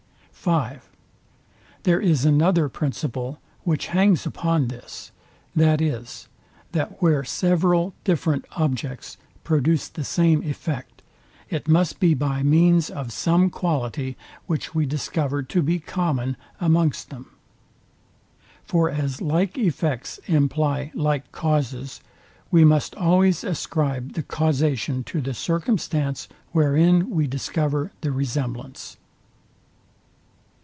(5) There is another principle, which hangs upon this, viz. that where several different objects produce the same effect, it must be by means of some quality, which we discover to be common amongst them. For as like effects imply like causes, we must always ascribe the causation to the circumstance, wherein we discover the resemblance.